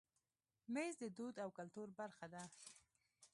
مېز د دود او کلتور برخه ده.